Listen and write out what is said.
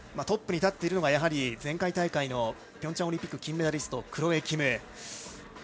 トップに立っているのが前回大会ピョンチャンオリンピック金メダリストのクロエ・キム。